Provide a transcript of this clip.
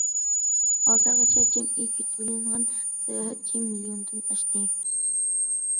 ھازىرغىچە جەمئىي كۈتۈۋېلىنغان ساياھەتچى مىليوندىن ئاشتى.